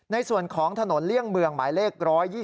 ในส่วนของถนนเลี่ยงเมืองหมายเลข๑๒๒